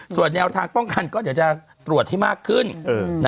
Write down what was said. ส่วนแนวทางป้องกันก็เดี๋ยวจะตรวจให้มากขึ้น